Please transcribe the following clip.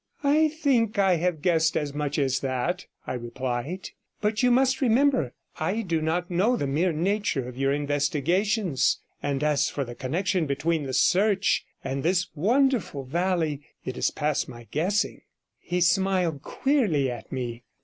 'I think I have guessed as much as that,' I replied; 'but you must remember I do not know the mere nature of your investigations; and as for the connection between the search and this wonderful valley, it is past my guessing.' He smiled queerly at me.